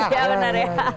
iya benar ya